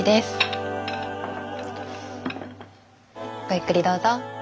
ゆっくりどうぞ。